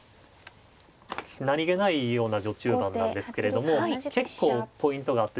何気ないような序中盤なんですけれども結構ポイントがあってですね